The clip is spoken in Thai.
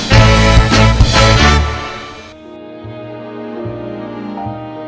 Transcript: ไทยเพื่อไทย